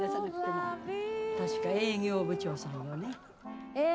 確か営業部長さんよね？